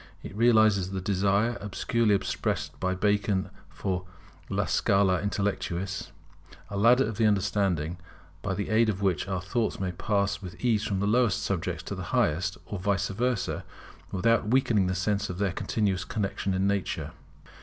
It realizes the desire obscurely expressed by Bacon for a scala intellectûs, a ladder of the understanding, by the aid of which our thoughts may pass with ease from the lowest subjects to the highest, or vice versa, without weakening the sense of their continuous connexion in nature.